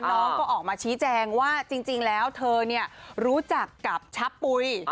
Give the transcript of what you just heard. น้องก็ออกมาชี้แจงว่าจริงแล้วเธอรู้จักกับชะปุ๋ย